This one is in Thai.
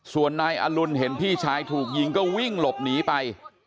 ส่วนนายอรุณเห็นพี่ชายถูกยิงก็วิ่งหลบหนีไป